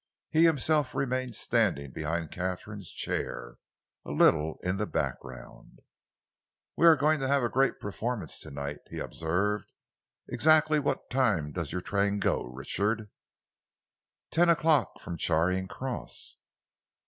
He himself remained standing behind Katharine's chair, a little in the background. "We are going to have a great performance to night," he observed. "Exactly what time does your train go, Richard?" "Ten o'clock from Charing Cross."